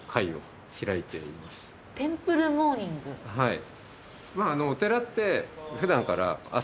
はい。